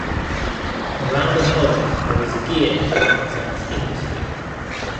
Around a hole, there is a gear that represents industry.